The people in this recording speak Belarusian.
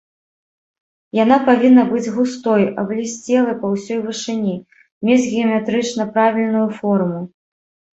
Яна павінна быць густой, аблісцелай па ўсёй вышыні, мець геаметрычна правільную форму.